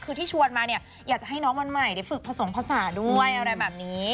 คือที่ชวนมาเนี่ยอยากจะให้น้องวันใหม่ได้ฝึกผสมภาษาด้วยอะไรแบบนี้